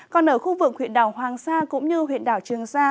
còn ở khu vực huyện đảo hoàng sa cũng như huyện đảo trường sa